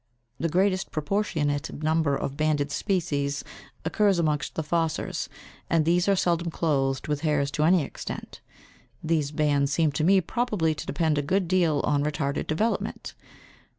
The greatest proportionate number of banded species occurs amongst the fossors, and these are seldom clothed with hairs to any extent. These bands seem to me probably to depend a good deal on retarded development.